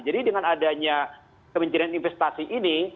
jadi dengan adanya kementerian investasi ini